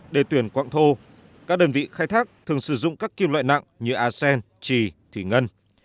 để tuyển quặng thô các đơn vị khai thác thường sử dụng các kim loại nặng như arsen trì thủy ngân